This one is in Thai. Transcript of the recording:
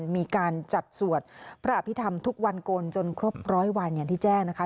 มีการจัดสวดพระอภิษฐรรมทุกวันกลจนครบร้อยวันอย่างที่แจ้งนะคะ